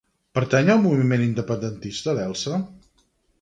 Pertany al moviment independentista l'Elsa?